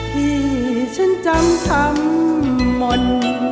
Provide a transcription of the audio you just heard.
ที่ฉันจำทำหมด